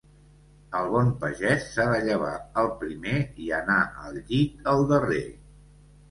El bon pagès s'ha de llevar el primer i anar al llit el darrer.